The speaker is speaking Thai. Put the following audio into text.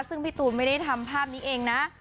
ซึ่งพี่ตูนไม่ได้ทำภาพนี้เองนะ